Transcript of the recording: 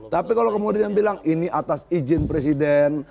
tapi kalau kemudian bilang ini atas izin presiden